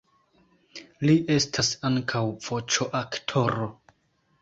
Li estas ankaŭ voĉoaktoro.